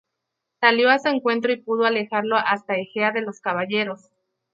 Salió a su encuentro y pudo alejarlo hasta Ejea de los Caballeros.